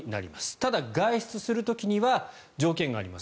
ただ、外出する時には条件があります。